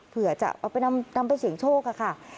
เผื่อจะนำไปเสียงโชคค่ะ